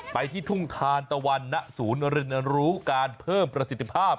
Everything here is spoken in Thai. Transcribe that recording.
ไปที่ทุ่งทานตะวันณศูนย์เรียนรู้การเพิ่มประสิทธิภาพ